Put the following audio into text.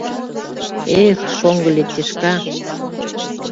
— Эх, шоҥго летешка!